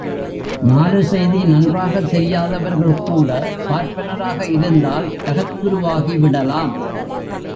நாலு செய்தி நன்றாகத் தெரியாதவர்கள் கூட பார்ப்பனராக இருந்தால் ஜகத்குரு வாகி விடலாம்.